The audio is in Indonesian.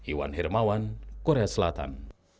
iwan hermawan korea selatan